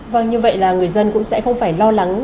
vâng như vậy là người dân cũng sẽ không phải lo lắng